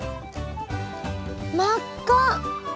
真っ赤！